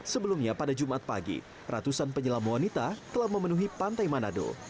sebelumnya pada jumat pagi ratusan penyelam wanita telah memenuhi pantai manado